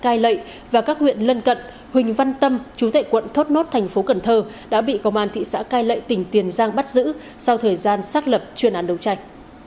các thị xã cai lạc và các huyện lân cận huỳnh văn tâm chú tệ quận thốt nốt thành phố cần thơ đã bị công an thị xã cai lạc tỉnh tiền giang bắt giữ sau thời gian xác lập chuyên án đầu trạch